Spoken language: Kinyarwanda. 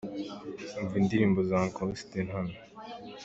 Umva indirimbo za Uncle Austin hano.